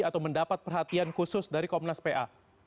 atau mendapat perhatian khusus dari komnas pa